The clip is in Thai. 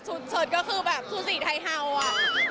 ชุดก็คือแบบสุธิไทยเฮาส์